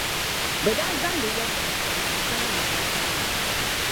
bɛ daa zaŋdi yɛtɔɣ’ kpɛma n-kana Musa sani na.